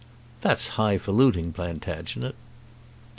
"That's high foluting, Plantagenet."